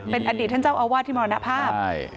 เป็นอดีตท่านเจ้าอาวาสที่มรณภาพ